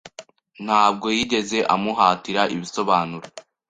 Ntabwo yigeze amuhatira ibisobanuro.